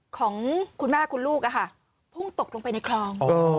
ของคุณแม่คุณลูกพุ่งตกลงไปในคลอง